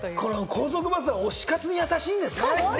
高速バスは推し活にやさしいんですね。